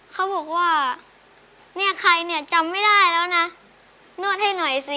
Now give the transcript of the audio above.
เขาบอกว่าเนี่ยใครเนี่ยจำไม่ได้แล้วนะนวดให้หน่อยสิ